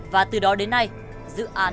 và từ đó đến nay dự án bỏ hoang